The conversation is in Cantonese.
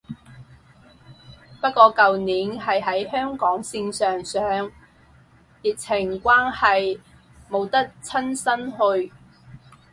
不過舊年係喺香港線上上，疫情關係冇得親身去